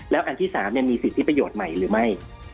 แล้วอันที่๓มีสิทธิประโยชน์ใหม่หรือไม่